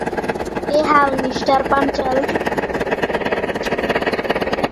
ক্যা হাল মিস্টার পাঞ্চাল?